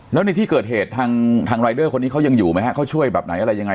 แล้วในที่เกิดเหตุทางรายเดอร์คนนี้เขายังอยู่ไหมฮะเขาช่วยแบบไหนอะไรยังไง